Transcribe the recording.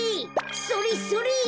それそれ！